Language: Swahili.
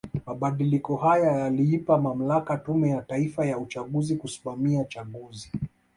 Mabadiliko haya yaliipa mamlaka Tume ya Taifa ya uchaguzi kusimamia chaguzi